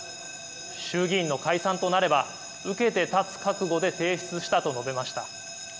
衆議院の解散となれば受けて立つ覚悟で提出したと述べました。